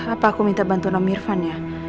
apa aku minta bantuan irfan ya